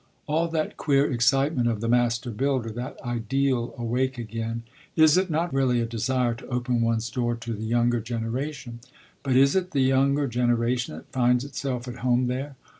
All that queer excitement of The Master builder, that 'ideal' awake again, is it not really a desire to open one's door to the younger generation? But is it the younger generation that finds itself at home there?